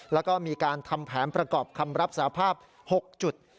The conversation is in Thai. แล้วก็มีการทำแผนประกอบคำรับสาภาพ๖จุด